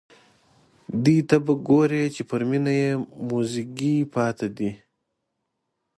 دې ته به ګوري چې پر مېنه یې موزیګی پاتې دی.